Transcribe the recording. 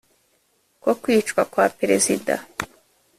ko kwicwa kwa perezida